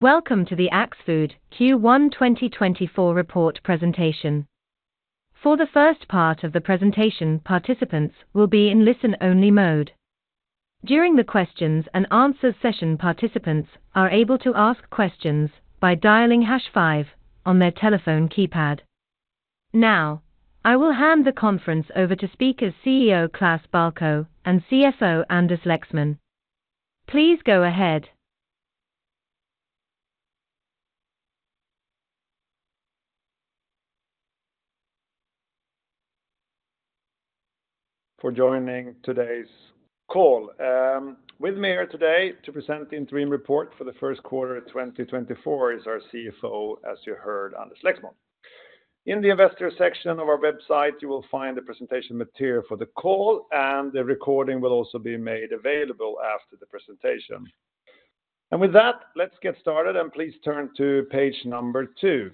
Welcome to the Axfood Q1 2024 report presentation. For the first part of the presentation, participants will be in listen-only mode. During the questions and answers session, participants are able to ask questions by dialing hash five on their telephone keypad. Now, I will hand the conference over to speakers CEO Klas Balkow and CFO Anders Lexmon. Please go ahead. For joining today's call. With me here today to present the interim report for the first quarter 2024 is our CFO, as you heard, Anders Lexmon. In the investor section of our website, you will find the presentation material for the call, and the recording will also be made available after the presentation. And with that, let's get started, and please turn to page number 2.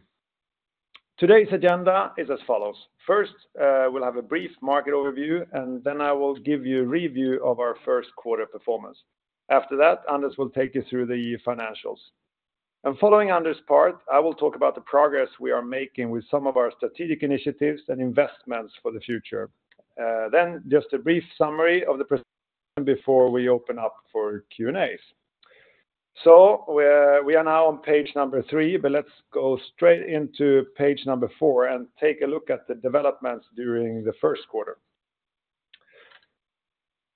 Today's agenda is as follows. First, we'll have a brief market overview, and then I will give you a review of our first quarter performance. After that, Anders will take you through the financials. And following Anders' part, I will talk about the progress we are making with some of our strategic initiatives and investments for the future. Then just a brief summary of the presentation before we open up for Q&As. So we are now on page 3, but let's go straight into page 4 and take a look at the developments during the first quarter.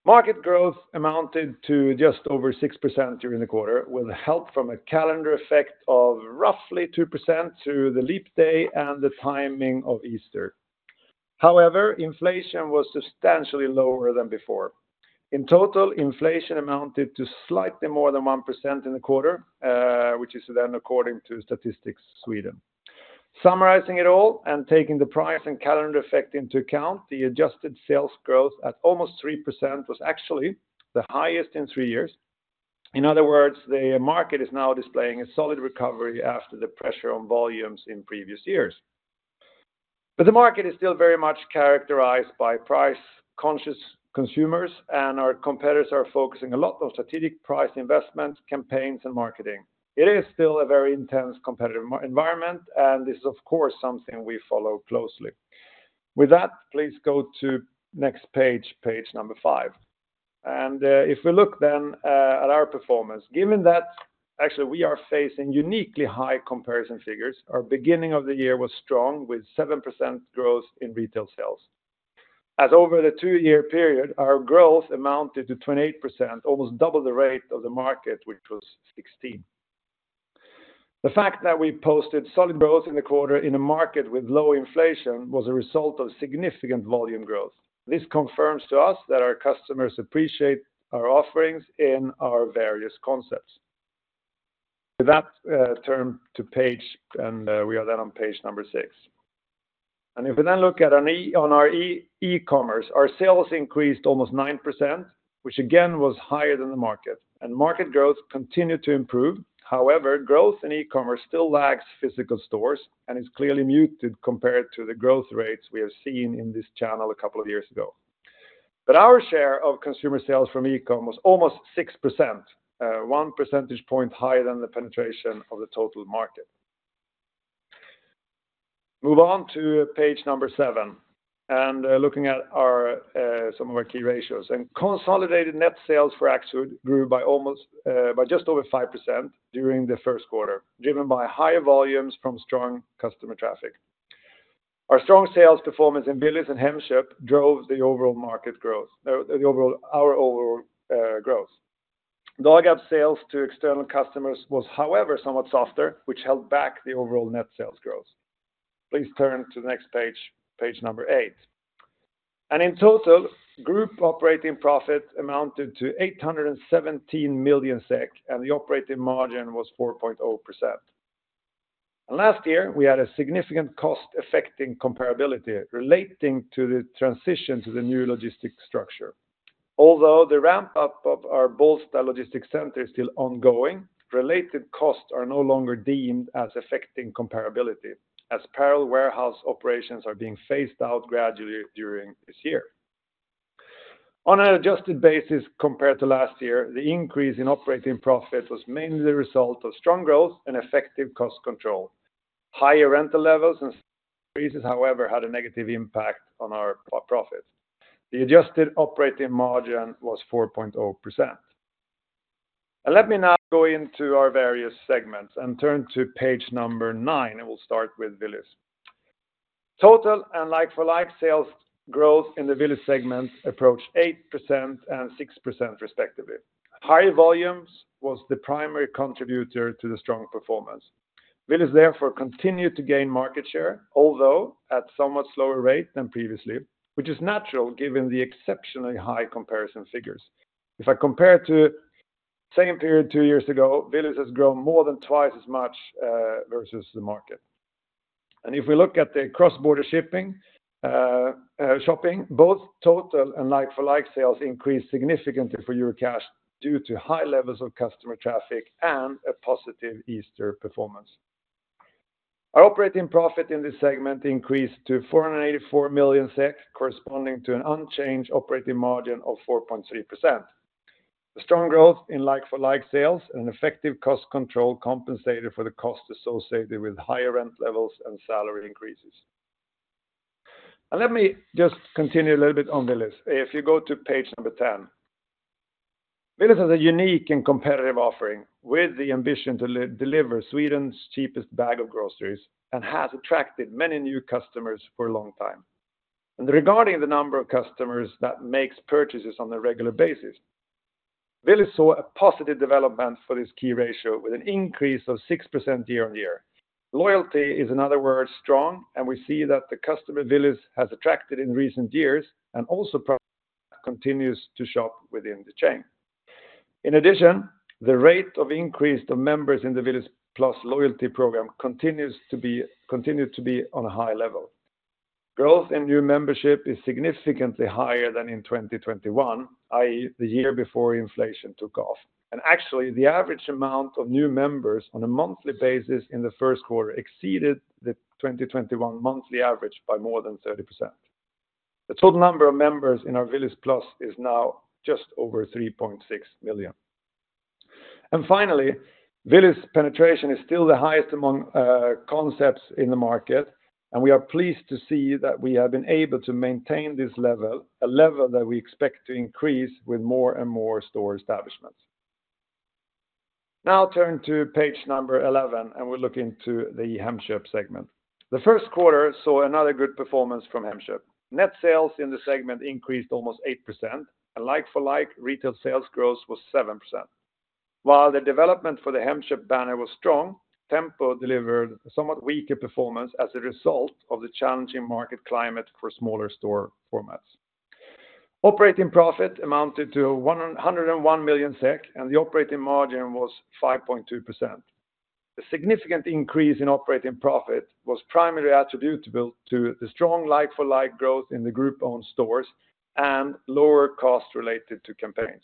Market growth amounted to just over 6% during the quarter, with help from a calendar effect of roughly 2% through the leap day and the timing of Easter. However, inflation was substantially lower than before. In total, inflation amounted to slightly more than 1% in the quarter, which is then according to Statistics Sweden. Summarizing it all and taking the price and calendar effect into account, the adjusted sales growth at almost 3% was actually the highest in three years. In other words, the market is now displaying a solid recovery after the pressure on volumes in previous years. But the market is still very much characterized by price-conscious consumers, and our competitors are focusing a lot on strategic price investment campaigns and marketing. It is still a very intense competitive environment, and this is, of course, something we follow closely. With that, please go to next page, page 5. If we look then at our performance, given that actually we are facing uniquely high comparison figures, our beginning of the year was strong with 7% growth in retail sales. As over the two-year period, our growth amounted to 28%, almost double the rate of the market, which was 16%. The fact that we posted solid growth in the quarter in a market with low inflation was a result of significant volume growth. This confirms to us that our customers appreciate our offerings in our various concepts. With that, turn to page 6, and we are then on page 6. If we then look at our e-commerce, our sales increased almost 9%, which again was higher than the market. Market growth continued to improve. However, growth in e-commerce still lags physical stores and is clearly muted compared to the growth rates we have seen in this channel a couple of years ago. But our share of consumer sales from e-com was almost 6%, one percentage point higher than the penetration of the total market. Move on to page 7 and looking at some of our key ratios. Consolidated net sales for Axfood grew by just over 5% during the first quarter, driven by higher volumes from strong customer traffic. Our strong sales performance in Willys and Hemköp drove the overall market growth, our overall growth. Dagab's sales to external customers was, however, somewhat softer, which held back the overall net sales growth. Please turn to the next page, page 8. In total, group operating profit amounted to 817 million SEK, and the operating margin was 4.0%. Last year, we had a significant cost-affecting comparability relating to the transition to the new logistics structure. Although the ramp-up of our Bålsta logistics center is still ongoing, related costs are no longer deemed as affecting comparability, as parallel warehouse operations are being phased out gradually during this year. On an adjusted basis compared to last year, the increase in operating profit was mainly the result of strong growth and effective cost control. Higher rental levels and increases, however, had a negative impact on our profits. The adjusted operating margin was 4.0%. Let me now go into our various segments and turn to page 9, and we'll start with Willys. Total and like-for-like sales growth in the Willys segment approached 8% and 6%, respectively. Higher volumes was the primary contributor to the strong performance. Willys, therefore, continued to gain market share, although at a somewhat slower rate than previously, which is natural given the exceptionally high comparison figures. If I compare to the same period two years ago, Willys has grown more than twice as much versus the market. If we look at the cross-border shopping, both total and like-for-like sales increased significantly for Eurocash due to high levels of customer traffic and a positive Easter performance. Our operating profit in this segment increased to 484 million SEK, corresponding to an unchanged operating margin of 4.3%. The strong growth in like-for-like sales and an effective cost control compensated for the costs associated with higher rent levels and salary increases. Let me just continue a little bit on Willys. If you go to page number 10, Willys has a unique and competitive offering with the ambition to deliver Sweden's cheapest bag of groceries and has attracted many new customers for a long time. Regarding the number of customers that makes purchases on a regular basis, Willys saw a positive development for this key ratio with an increase of 6% year-on-year. Loyalty is, in other words, strong, and we see that the customer Willys has attracted in recent years and also continues to shop within the chain. In addition, the rate of increase of members in the Willys Plus loyalty program continued to be on a high level. Growth in new membership is significantly higher than in 2021, i.e., the year before inflation took off. Actually, the average amount of new members on a monthly basis in the first quarter exceeded the 2021 monthly average by more than 30%. The total number of members in our Willys Plus is now just over 3.6 million. Finally, Willys penetration is still the highest among concepts in the market, and we are pleased to see that we have been able to maintain this level, a level that we expect to increase with more and more store establishments. Now turn to page number 11, and we'll look into the Hemköp segment. The first quarter saw another good performance from Hemköp. Net sales in the segment increased almost 8%, and like-for-like retail sales growth was 7%. While the development for the Hemköp banner was strong, Tempo delivered somewhat weaker performance as a result of the challenging market climate for smaller store formats. Operating profit amounted to 101 million SEK, and the operating margin was 5.2%. A significant increase in operating profit was primarily attributable to the strong like-for-like growth in the group-owned stores and lower costs related to campaigns.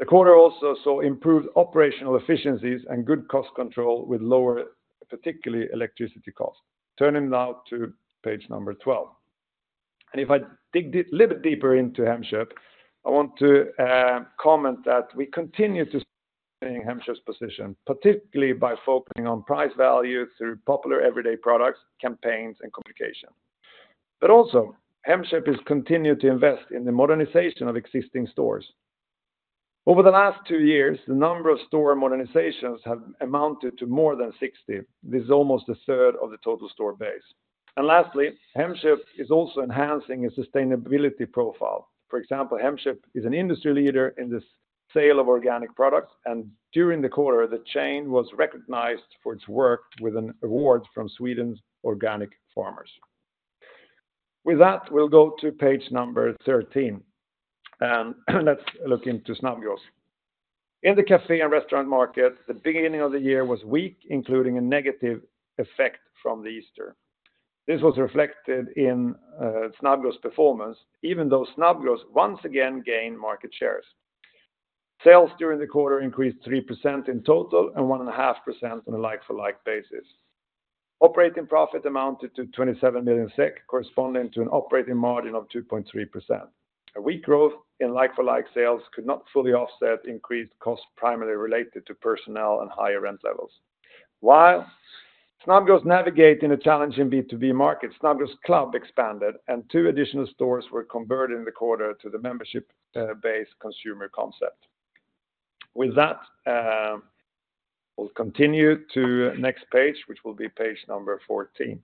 The quarter also saw improved operational efficiencies and good cost control with lower, particularly electricity costs. Turning now to page 12. And if I dig a little bit deeper into Hemköp, I want to comment that we continue to strengthen Hemköp's position, particularly by focusing on price value through popular everyday products, campaigns, and communication. But also, Hemköp has continued to invest in the modernization of existing stores. Over the last two years, the number of store modernizations have amounted to more than 60. This is almost a third of the total store base. Lastly, Hemköp is also enhancing its sustainability profile. For example, Hemköp is an industry leader in the sale of organic products, and during the quarter, the chain was recognized for its work with an award from Sweden's organic farmers. With that, we'll go to page number 13. Let's look into Snabbgross. In the café and restaurant market, the beginning of the year was weak, including a negative effect from the Easter. This was reflected in Snabbgross performance, even though Snabbgross once again gained market shares. Sales during the quarter increased 3% in total and 1.5% on a like-for-like basis. Operating profit amounted to 27 million SEK, corresponding to an operating margin of 2.3%. A weak growth in like-for-like sales could not fully offset increased costs primarily related to personnel and higher rent levels. While Snabbgross navigated the challenging B2B market, Snabbgross Club expanded, and two additional stores were converted in the quarter to the membership-based consumer concept. With that, we'll continue to next page, which will be page number 14.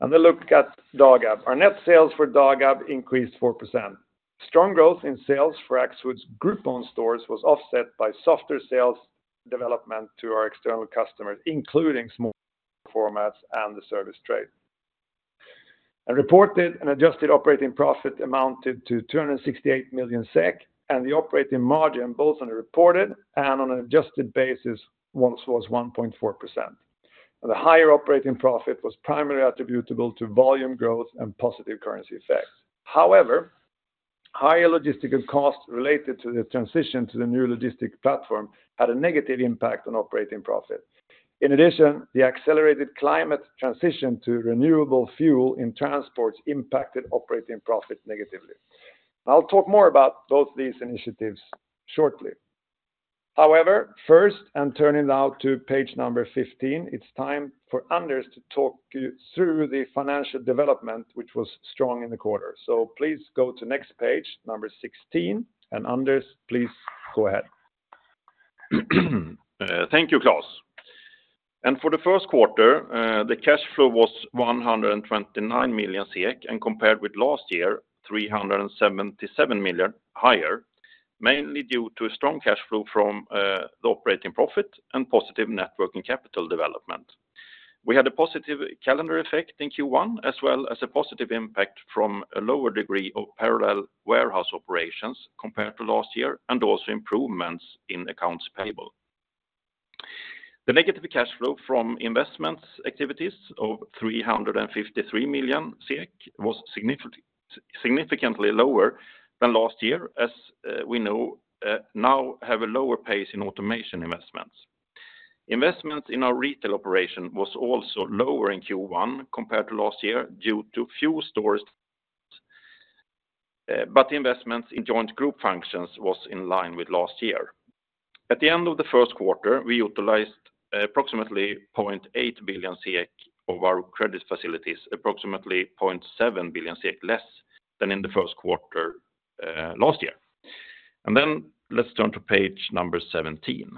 A look at Dagab. Our net sales for Dagab increased 4%. Strong growth in sales for Axfood's group-owned stores was offset by softer sales development to our external customers, including smaller store formats and the service trade. Reported and adjusted operating profit amounted to 268 million SEK, and the operating margin, both on a reported and on an adjusted basis, was 1.4%. The higher operating profit was primarily attributable to volume growth and positive currency effects. However, higher logistical costs related to the transition to the new logistics platform had a negative impact on operating profit. In addition, the accelerated climate transition to renewable fuel in transports impacted operating profit negatively. I'll talk more about both these initiatives shortly. However, first, turning now to page 15, it's time for Anders to talk you through the financial development which was strong in the quarter. So please go to next page, 16, and Anders, please go ahead. Thank you, Klas. For the first quarter, the cash flow was 129 million SEK and compared with last year, 377 million higher, mainly due to strong cash flow from the operating profit and positive working capital development. We had a positive calendar effect in Q1 as well as a positive impact from a lower degree of parallel warehouse operations compared to last year and also improvements in accounts payable. The negative cash flow from investments activities of 353 million was significantly lower than last year, as we now have a lower pace in automation investments. Investments in our retail operation was also lower in Q1 compared to last year due to few stores but the investments. Joint group functions was in line with last year. At the end of the first quarter, we utilized approximately 0.8 billion of our credit facilities, approximately 0.7 billion less than in the first quarter last year. Let's turn to page number 17.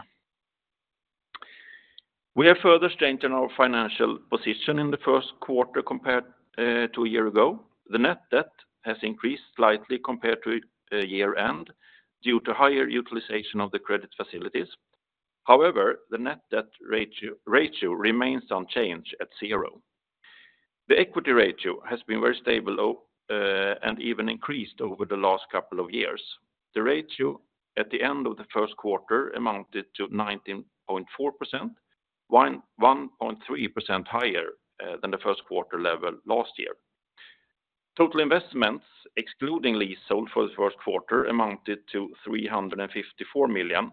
We have further strengthened our financial position in the first quarter compared to a year ago. The net debt has increased slightly compared to year-end due to higher utilization of the credit facilities. However, the net debt ratio remains unchanged at zero. The equity ratio has been very stable and even increased over the last couple of years. The ratio at the end of the first quarter amounted to 19.4%, 1.3% higher than the first quarter level last year. Total investments excluding leasehold for the first quarter amounted to 354 million,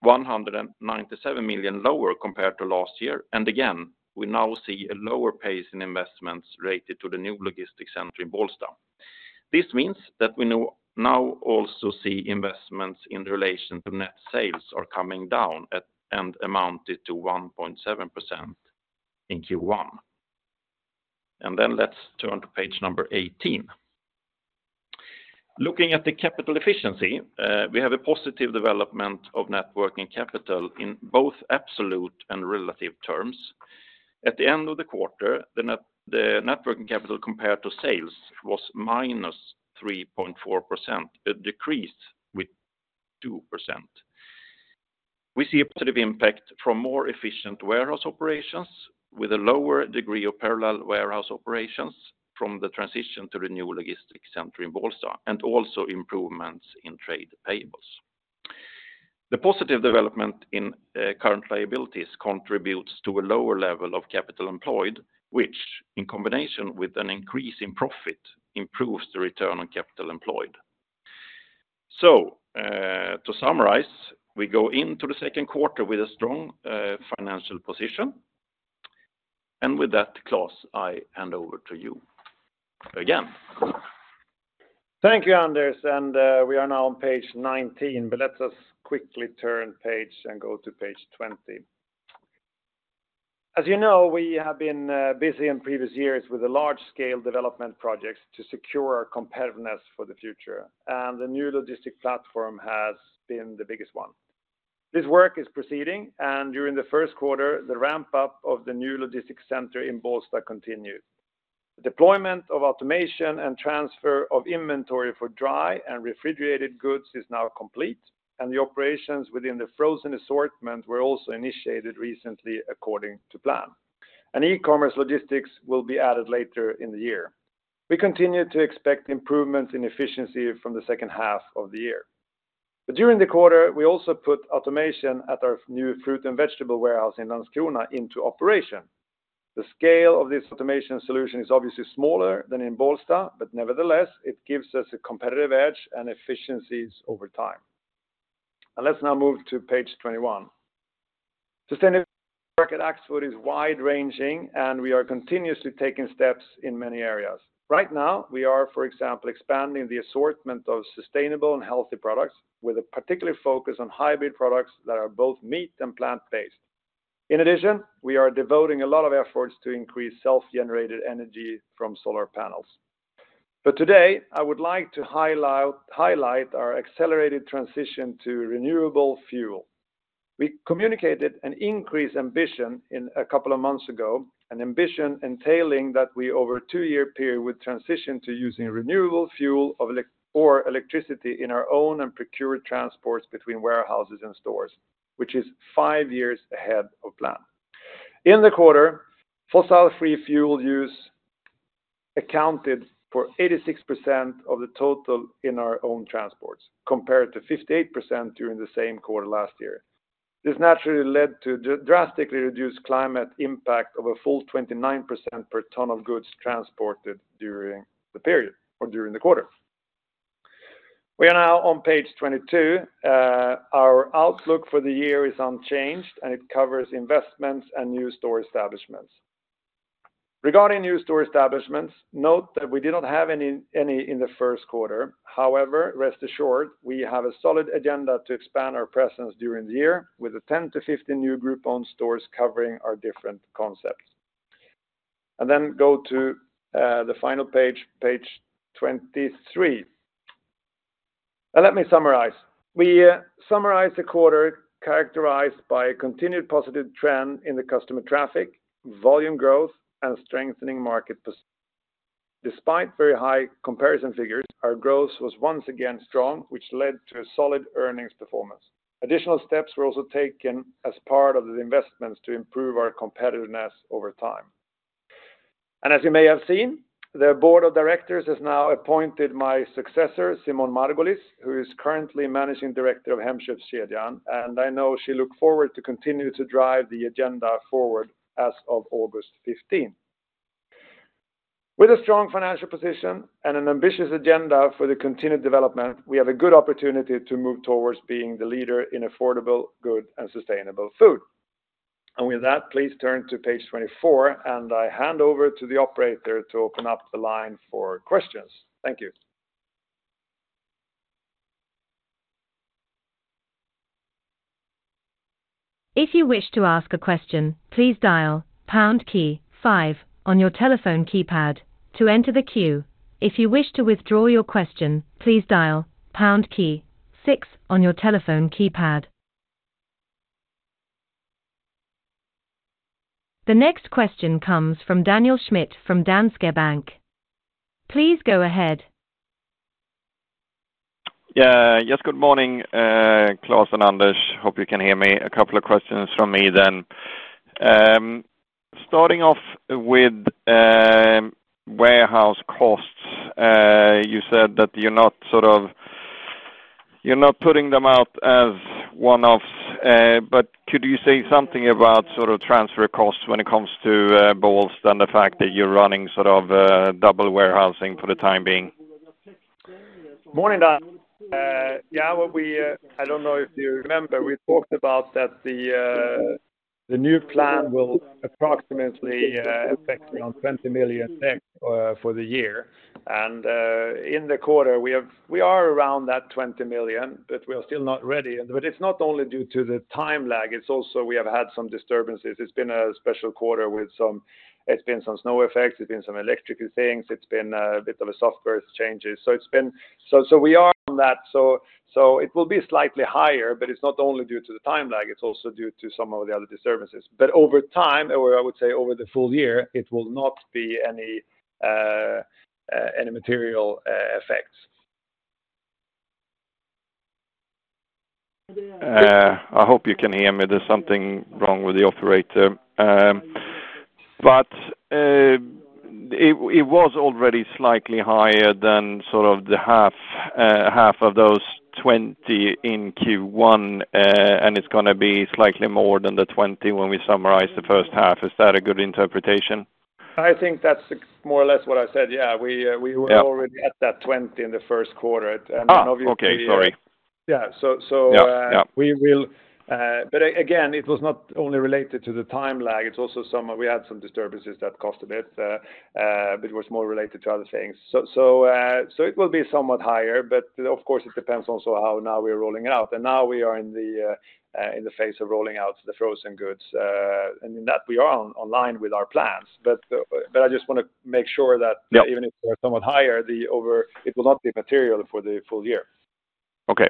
197 million lower compared to last year, and again, we now see a lower pace in investments related to the new logistics center in Bålsta. This means that we now also see investments in relation to net sales are coming down and amounted to 1.7% in Q1. And then let's turn to page number 18. Looking at the capital efficiency, we have a positive development of net working capital in both absolute and relative terms. At the end of the quarter, the net working capital compared to sales was -3.4%, a decrease with 2%. We see a positive impact from more efficient warehouse operations with a lower degree of parallel warehouse operations from the transition to the new logistics center in Bålsta and also improvements in trade payables. The positive development in current liabilities contributes to a lower level of capital employed, which, in combination with an increase in profit, improves the return on capital employed. So to summarize, we go into the second quarter with a strong financial position. And with that, Klas, I hand over to you again. Thank you, Anders. And we are now on page 19, but let's just quickly turn page and go to page 20. As you know, we have been busy in previous years with large-scale development projects to secure our competitiveness for the future, and the new logistics platform has been the biggest one. This work is proceeding, and during the first quarter, the ramp-up of the new logistics center in Bålsta continued. The deployment of automation and transfer of inventory for dry and refrigerated goods is now complete, and the operations within the frozen assortment were also initiated recently according to plan. E-commerce logistics will be added later in the year. We continue to expect improvements in efficiency from the second half of the year. During the quarter, we also put automation at our new fruit and vegetable warehouse in Landskrona into operation. The scale of this automation solution is obviously smaller than in Bålsta, but nevertheless, it gives us a competitive edge and efficiencies over time. Let's now move to page 21. Sustainability work at Axfood is wide-ranging, and we are continuously taking steps in many areas. Right now, we are, for example, expanding the assortment of sustainable and healthy products with a particular focus on hybrid products that are both meat and plant-based. In addition, we are devoting a lot of efforts to increase self-generated energy from solar panels. But today, I would like to highlight our accelerated transition to renewable fuel. We communicated an increased ambition a couple of months ago, an ambition entailing that we over a 2-year period would transition to using renewable fuel or electricity in our own and procured transports between warehouses and stores, which is 5 years ahead of plan. In the quarter, fossil-free fuel use accounted for 86% of the total in our own transports compared to 58% during the same quarter last year. This naturally led to a drastically reduced climate impact of a full 29% per ton of goods transported during the period or during the quarter. We are now on page 22. Our outlook for the year is unchanged, and it covers investments and new store establishments. Regarding new store establishments, note that we did not have any in the first quarter. However, rest assured, we have a solid agenda to expand our presence during the year with 10-15 new group-owned stores covering our different concepts. Then go to the final page, page 23. Let me summarize. We summarize a quarter characterized by a continued positive trend in the customer traffic, volume growth, and strengthening market position. Despite very high comparison figures, our growth was once again strong, which led to a solid earnings performance. Additional steps were also taken as part of the investments to improve our competitiveness over time. And as you may have seen, the board of directors has now appointed my successor, Simone Margulies, who is currently managing director of Hemköpskedjan, and I know she looks forward to continuing to drive the agenda forward as of August 15. With a strong financial position and an ambitious agenda for the continued development, we have a good opportunity to move towards being the leader in affordable, good, and sustainable food. And with that, please turn to page 24, and I hand over to the operator to open up the line for questions. Thank you. If you wish to ask a question, please dial pound key five on your telephone keypad to enter the queue. If you wish to withdraw your question, please dial pound key six on your telephone keypad. The next question comes from Daniel Schmidt from Danske Bank. Please go ahead. Yes, good morning, Klas and Anders. Hope you can hear me. A couple of questions from me then. Starting off with warehouse costs, you said that you're not sort of putting them out as one-offs, but could you say something about sort of transfer costs when it comes to Bålsta and the fact that you're running sort of double warehousing for the time being? Morning, Dan. Yeah, I don't know if you remember, we talked about that the new plant will approximately affect around 20 million for the year. And in the quarter, we are around that 20 million, but we are still not ready. But it's not only due to the time lag, it's also we have had some disturbances. It's been a special quarter with some it's been some snow effects, it's been some electrical things, it's been a bit of a software changes. So we are on that. So it will be slightly higher, but it's not only due to the time lag, it's also due to some of the other disturbances. But over time, or I would say over the full year, it will not be any material effects. I hope you can hear me. There's something wrong with the operator. But it was already slightly higher than sort of the half of those 20 in Q1, and it's going to be slightly more than the 20 when we summarize the first half. Is that a good interpretation? I think that's more or less what I said. Yeah, we were already at that 20 in the first quarter. And obviously. Okay, sorry. Yeah, so we will, but again, it was not only related to the time lag; it's also some we had some disturbances that cost a bit, but it was more related to other things. So it will be somewhat higher, but of course, it depends also how now we are rolling it out. And now we are in the phase of rolling out the frozen goods. And in that, we are online with our plans. But I just want to make sure that even if they are somewhat higher, it will not be material for the full year. Okay.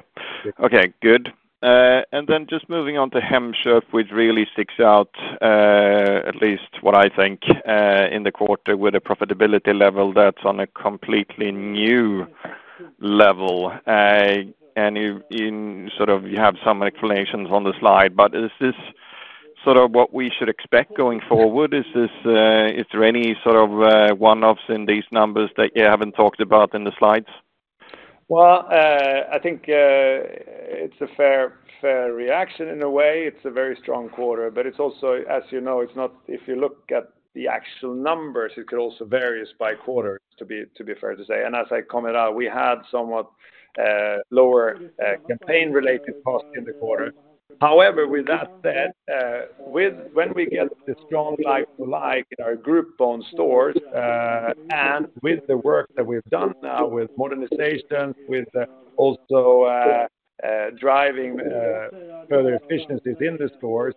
Okay, good. And then just moving on to Hemköp, which really sticks out, at least what I think, in the quarter with a profitability level that's on a completely new level. And sort of you have some explanations on the slide, but is this sort of what we should expect going forward? Is there any sort of one-offs in these numbers that you haven't talked about in the slides? Well, I think it's a fair reaction in a way. It's a very strong quarter. But as you know, if you look at the actual numbers, it could also vary by quarter, to be fair to say. And as I commented out, we had somewhat lower campaign-related costs in the quarter. However, with that said, when we get the strong like-for-like in our group-owned stores and with the work that we've done now with modernization, with also driving further efficiencies in the stores,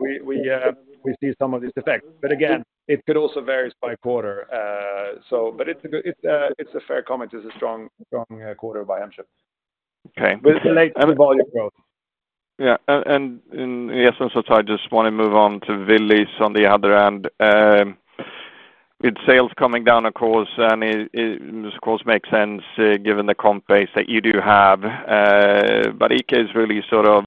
we see some of this effect. But again, it could also vary by quarter. But it's a fair comment. It's a strong quarter by Hemköp with related to volume growth. Yeah. And in the essence of it, I just want to move on to Willys on the other end. With sales coming down, of course, and it, of course, makes sense given the comp base that you do have. But ICA is really sort of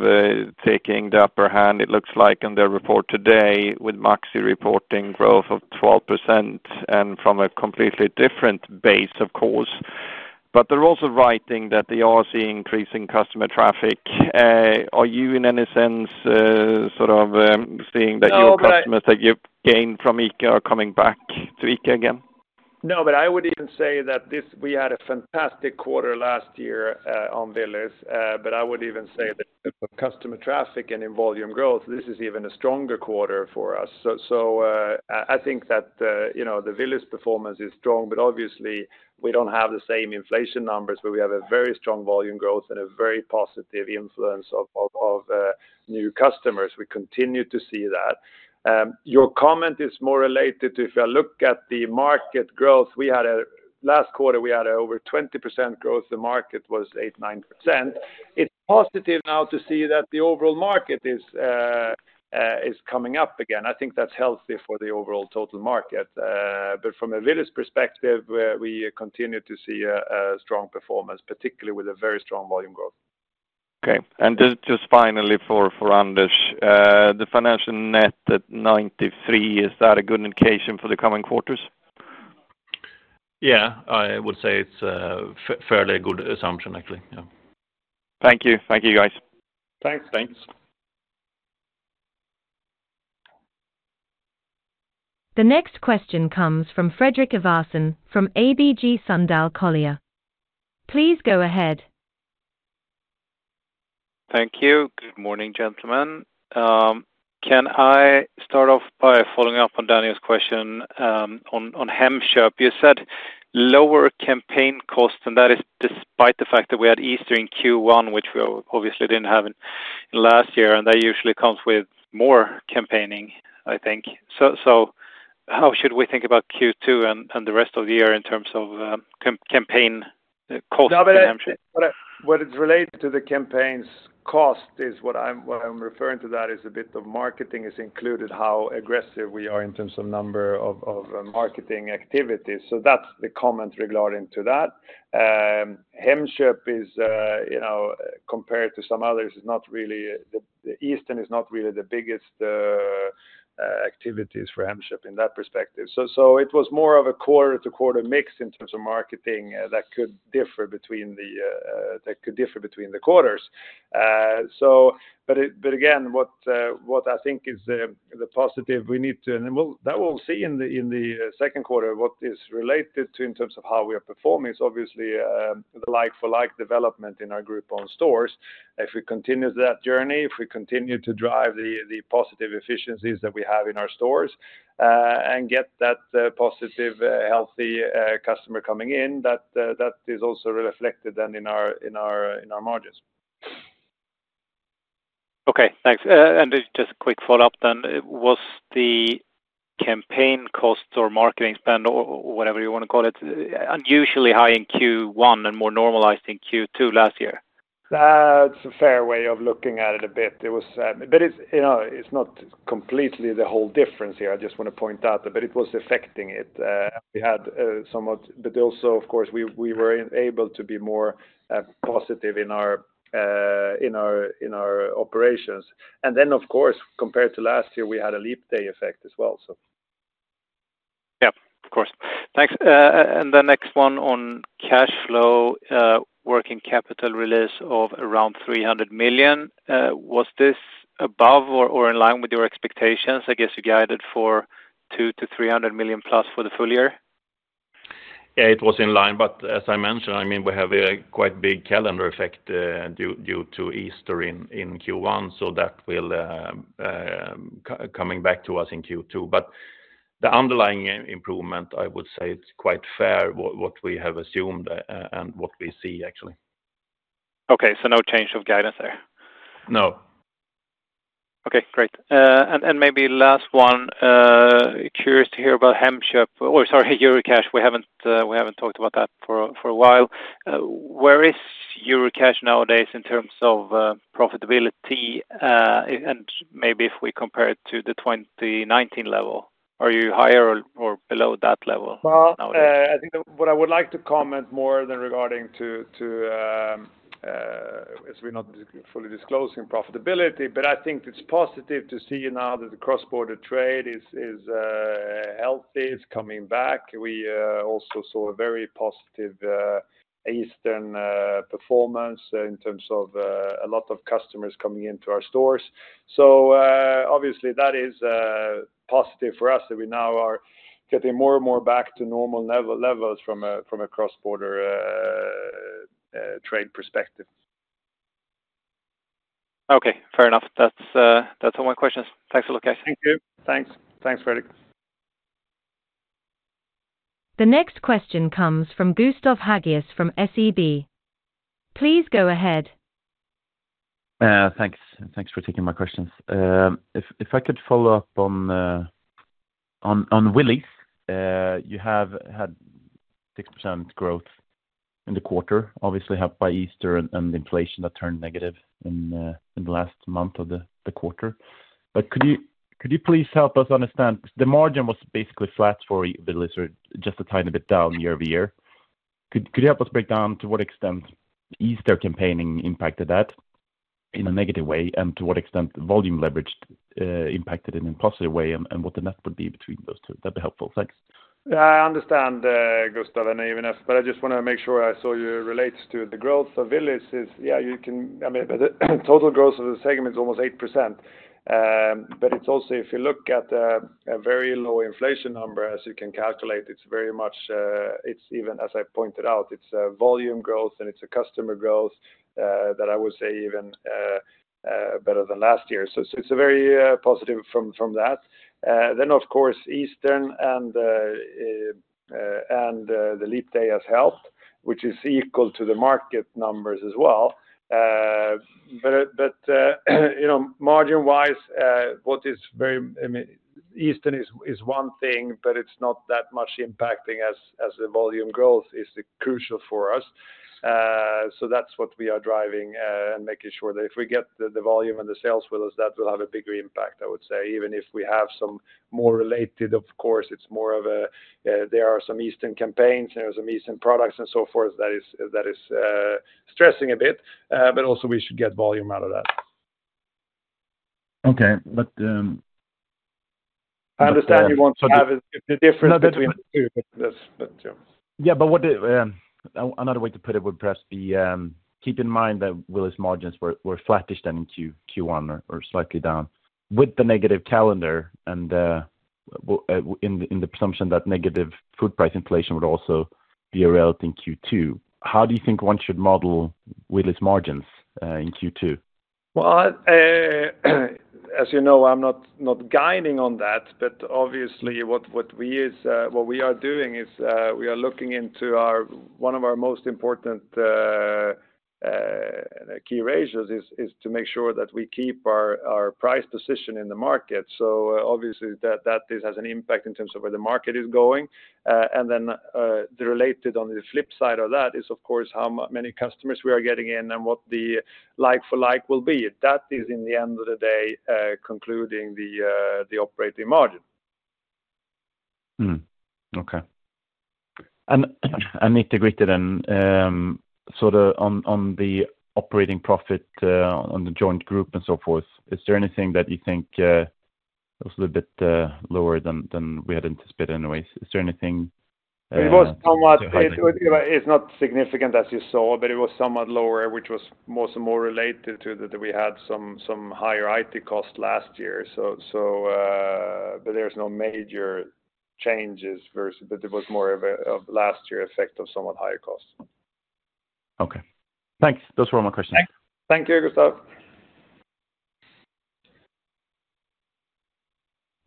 taking the upper hand, it looks like, in their report today with Maxi reporting growth of 12% and from a completely different base, of course. But they're also writing that they are seeing increasing customer traffic. Are you, in any sense, sort of seeing that your customers that you've gained from ICA are coming back to ICA again? No, but I would even say that we had a fantastic quarter last year on Willys. But I would even say that of customer traffic and in volume growth, this is even a stronger quarter for us. So I think that the Willys performance is strong, but obviously, we don't have the same inflation numbers, but we have a very strong volume growth and a very positive influence of new customers. We continue to see that. Your comment is more related to if I look at the market growth, last quarter, we had over 20% growth. The market was 8%-9%. It's positive now to see that the overall market is coming up again. I think that's healthy for the overall total market. But from a Willys perspective, we continue to see a strong performance, particularly with a very strong volume growth. Okay. And just finally for Anders, the financial net at 93, is that a good indication for the coming quarters? Yeah, I would say it's a fairly good assumption, actually. Yeah. Thank you. Thank you, guys. Thanks. Thanks. The next question comes from Fredrik Ivarsson from ABG Sundal Collier. Please go ahead. Thank you. Good morning, gentlemen. Can I start off by following up on Daniel's question on Hemköp? You said lower campaign costs, and that is despite the fact that we had Easter in Q1, which we obviously didn't have in last year, and that usually comes with more campaigning, I think. So how should we think about Q2 and the rest of the year in terms of campaign costs in Hemköp? What it's related to the campaigns cost is what I'm referring to that is a bit of marketing is included how aggressive we are in terms of number of marketing activities. So that's the comment regarding to that. Hemköp, compared to some others, is not really the biggest activities for Hemköp in that perspective. So it was more of a quarter-to-quarter mix in terms of marketing that could differ between the quarters. But again, what I think is the positive we need to, and then we'll see in the second quarter what is related to, in terms of how we are performing, is obviously the like-for-like development in our group-owned stores. If we continue that journey, if we continue to drive the positive efficiencies that we have in our stores and get that positive, healthy customer coming in, that is also reflected then in our margins. Okay, thanks. Just a quick follow-up then. Was the campaign cost or marketing spend, or whatever you want to call it, unusually high in Q1 and more normalized in Q2 last year? That's a fair way of looking at it a bit. But it's not completely the whole difference here. I just want to point out that. But it was affecting it. We had somewhat but also, of course, we were able to be more positive in our operations. And then, of course, compared to last year, we had a leap day effect as well, so. Yeah, of course. Thanks. And the next one on cash flow, working capital release of around 300 million. Was this above or in line with your expectations? I guess you guided for 2 million-300 million plus for the full year? Yeah, it was in line. But as I mentioned, I mean, we have a quite big calendar effect due to Easter in Q1, so that will be coming back to us in Q2. But the underlying improvement, I would say it's quite fair what we have assumed and what we see, actually. Okay, so no change of guidance there? No. Okay, great. And maybe last one, curious to hear about Hemköp or, sorry, Eurocash. We haven't talked about that for a while. Where is Eurocash nowadays in terms of profitability? And maybe if we compare it to the 2019 level, are you higher or below that level nowadays? Well, I think what I would like to comment more than regarding to as we're not fully disclosing profitability, but I think it's positive to see now that the cross-border trade is healthy. It's coming back. We also saw a very positive Easter performance in terms of a lot of customers coming into our stores. So obviously, that is positive for us that we now are getting more and more back to normal levels from a cross-border trade perspective. Okay, fair enough. That's all my questions. Thanks a lot, guys. Thank you. Thanks. Thanks, Fredrik. The next question comes from Gustav Hagéus from SEB. Please go ahead. Thanks for taking my questions. If I could follow up on Willys', you had 6% growth in the quarter, obviously by Easter and inflation that turned negative in the last month of the quarter. But could you please help us understand the margin was basically flat for Willys' or just a tiny bit down year-over-year. Could you help us break down to what extent Easter campaigning impacted that in a negative way and to what extent volume leverage impacted it in a positive way and what the net would be between those two? That'd be helpful. Thanks. I understand, Gustav, and even if but I just want to make sure I saw you relate to the growth of Willys. Yeah, you can I mean, the total growth of the segment is almost 8%. But it's also if you look at a very low inflation number, as you can calculate, it's very much it's even, as I pointed out, it's volume growth and it's a customer growth that I would say even better than last year. So it's very positive from that. Then, of course, Easter and the leap day has helped, which is equal to the market numbers as well. But margin-wise, what is very, I mean, Eastern is one thing, but it's not that much impacting as the volume growth is crucial for us. So that's what we are driving and making sure that if we get the volume and the sales with us, that will have a bigger impact, I would say. Even if we have some more related, of course, it's more of a, there are some Eastern campaigns and there are some Eastern products and so forth that is stressing a bit. But also, we should get volume out of that. Okay, but. I understand you want to have the difference between the two, but yeah. Yeah, but another way to put it would perhaps be keep in mind that Willys' margins were flattish then in Q1 or slightly down with the negative calendar and in the presumption that negative food price inflation would also be a relative in Q2. How do you think one should model Willys' margins in Q2? Well, as you know, I'm not guiding on that. But obviously, what we are doing is we are looking into one of our most important key ratios is to make sure that we keep our price position in the market. So obviously, this has an impact in terms of where the market is going. And then the related on the flip side of that is, of course, how many customers we are getting in and what the like-for-like will be. That is, in the end of the day, concluding the operating margin. Okay. I need to greet you then. Sort of on the operating profit on the joint group and so forth, is there anything that you think was a little bit lower than we had anticipated anyways? Is there anything? It was somewhat; it's not significant as you saw, but it was somewhat lower, which was more so more related to that we had some higher IT costs last year. But there's no major changes versus but it was more of last year effect of somewhat higher costs. Okay. Thanks. Those were all my questions. Thank you, Gustav.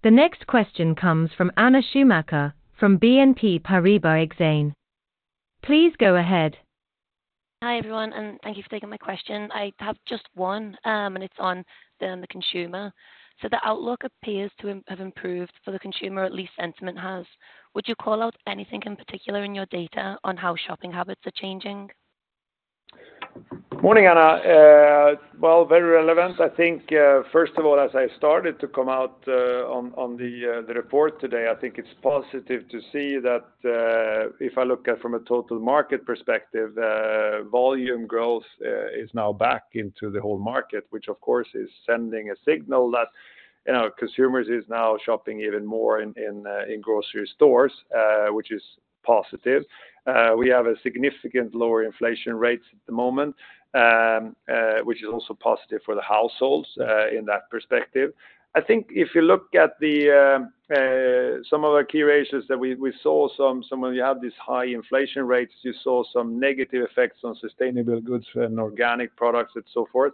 The next question comes from Anna Schumacher from BNP Paribas Exane. Please go ahead. Hi everyone, and thank you for taking my question. I have just one, and it's on the consumer. So the outlook appears to have improved for the consumer, at least sentiment has. Would you call out anything in particular in your data on how shopping habits are changing? Morning, Anna. Well, very relevant. I think, first of all, as I started to come out on the report today, I think it's positive to see that if I look at from a total market perspective, volume growth is now back into the whole market, which, of course, is sending a signal that consumers are now shopping even more in grocery stores, which is positive. We have a significant lower inflation rate at the moment, which is also positive for the households in that perspective. I think if you look at some of our key ratios that we saw, when you have these high inflation rates, you saw some negative effects on sustainable goods and organic products and so forth.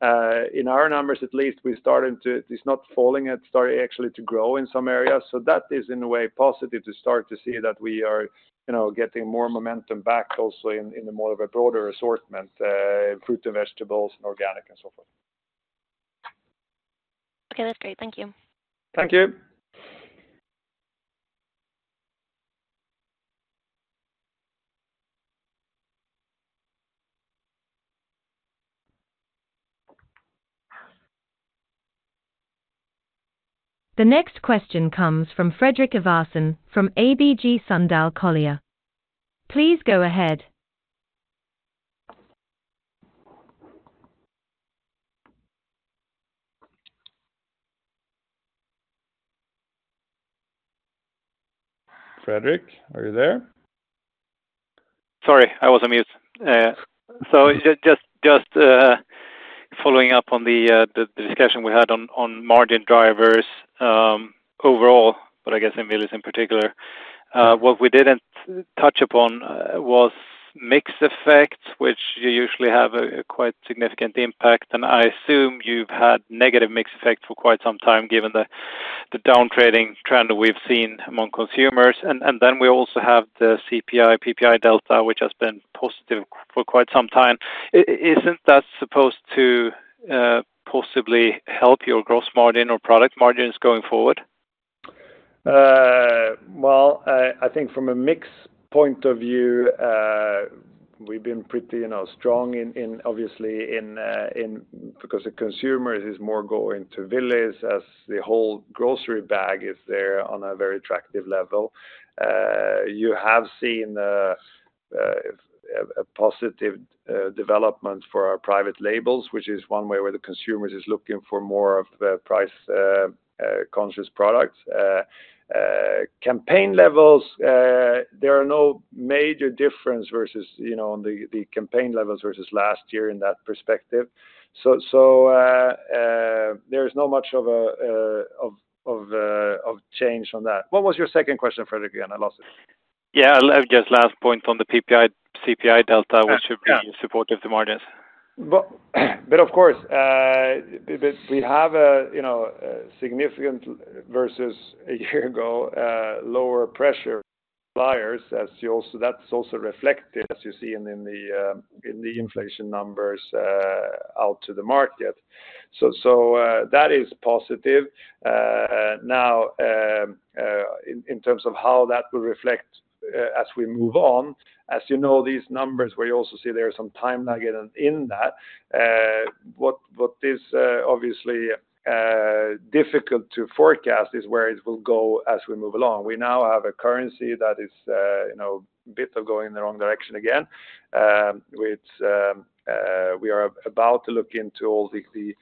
In our numbers, at least, we started to it's not falling. It started actually to grow in some areas. So that is, in a way, positive to start to see that we are getting more momentum back also in more of a broader assortment, fruit and vegetables and organic and so forth. Okay, that's great. Thank you. Thank you. The next question comes from Fredrik Ivarsson from ABG Sundal Collier. Please go ahead. Fredrik, are you there? Sorry, I was on mute. So just following up on the discussion we had on margin drivers overall, but I guess in Willys in particular, what we didn't touch upon was mixed effects, which you usually have a quite significant impact. And I assume you've had negative mixed effects for quite some time given the downtrading trend that we've seen among consumers. And then we also have the CPI, PPI delta, which has been positive for quite some time. Isn't that supposed to possibly help your gross margin or product margins going forward? Well, I think from a mixed point of view, we've been pretty strong, obviously, because the consumers are more going to Willys as the whole grocery bag is there on a very attractive level. You have seen a positive development for our private labels, which is one way where the consumers are looking for more of price-conscious products. Campaign levels, there are no major differences on the campaign levels versus last year in that perspective. So there's no much of a change on that. What was your second question, Fredrik again? I lost it. Yeah, just last point on the PPI, CPI delta, which should be supportive to margins. But of course, we have a significant versus a year ago, lower pressure. Suppliers, as you also see, that's also reflected, as you see, in the inflation numbers out to the market. So that is positive. Now, in terms of how that will reflect as we move on, as you know, these numbers where you also see there's some time lag in that, what is obviously difficult to forecast is where it will go as we move along. We now have a currency that is a bit going in the wrong direction again. We are about to look into all the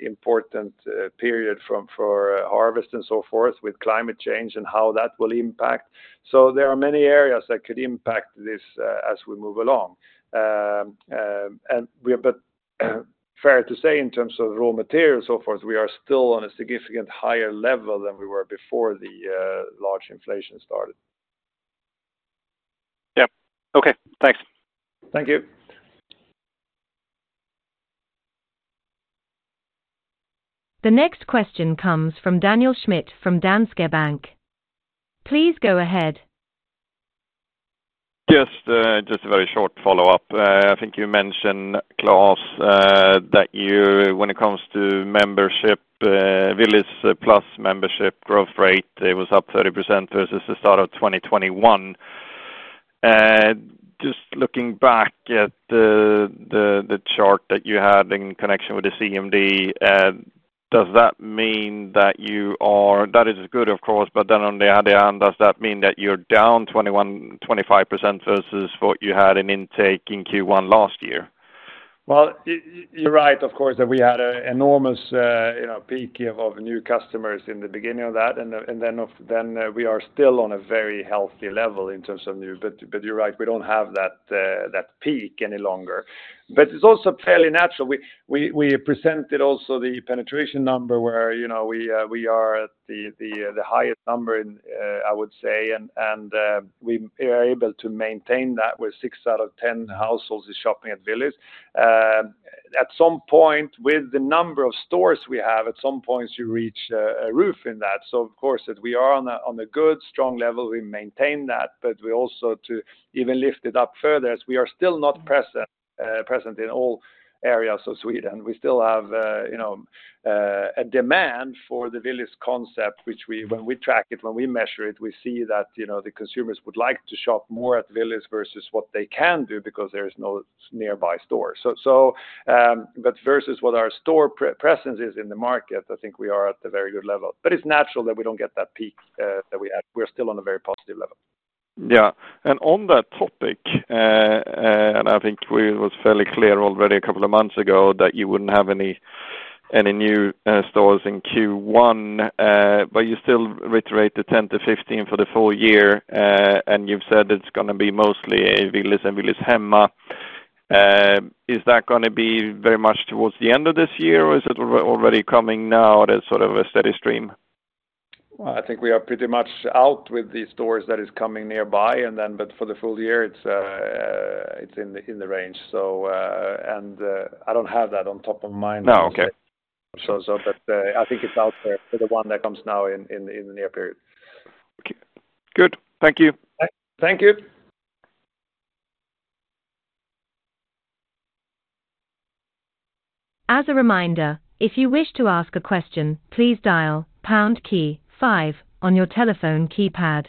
important period for harvest and so forth with climate change and how that will impact. So there are many areas that could impact this as we move along. But fair to say, in terms of raw materials and so forth, we are still on a significant higher level than we were before the large inflation started. Yep. Okay, thanks. Thank you. The next question comes from Daniel Schmidt from Danske Bank. Please go ahead. Just a very short follow-up. I think you mentioned, Klas, that when it comes to membership, Willys' Plus membership growth rate, it was up 30% versus the start of 2021. Just looking back at the chart that you had in connection with the CMD, does that mean that you are, that is good, of course, but then on the other hand, does that mean that you're down 21%-25% versus what you had in intake in Q1 last year? Well, you're right, of course, that we had an enormous peak of new customers in the beginning of that. And then we are still on a very healthy level in terms of new, but you're right, we don't have that peak any longer. But it's also fairly natural. We presented also the penetration number where we are at the highest number, I would say. We are able to maintain that where six out of 10 households are shopping at Willys. At some point, with the number of stores we have, at some points, you reach a ceiling in that. So of course, we are on a good, strong level. We maintain that. But we also to even lift it up further as we are still not present in all areas of Sweden. We still have a demand for the Willys concept, which when we track it, when we measure it, we see that the consumers would like to shop more at Willys versus what they can do because there is no nearby store. But versus what our store presence is in the market, I think we are at a very good level. But it's natural that we don't get that peak that we had. We're still on a very positive level. Yeah. And on that topic, and I think it was fairly clear already a couple of months ago that you wouldn't have any new stores in Q1. But you still reiterate the 10-15 for the full year. And you've said it's going to be mostly Willys and Willys Hemma. Is that going to be very much towards the end of this year, or is it already coming now at sort of a steady stream? Well, I think we are pretty much out with the stores that are coming nearby. But for the full year, it's in the range. And I don't have that on top of mind right now. No, okay. So I think it's out there for the one that comes now in the near period. Okay. Good. Thank you. Thank you. As a reminder, if you wish to ask a question, please dial pound key five on your telephone keypad.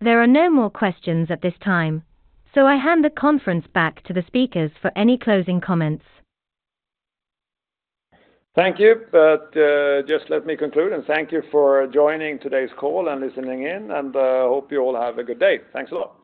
There are no more questions at this time, so I hand the conference back to the speakers for any closing comments. Thank you. But just let me conclude. And thank you for joining today's call and listening in. And I hope you all have a good day. Thanks a lot.